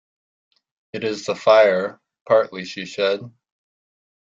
It is the fire, partly, she said.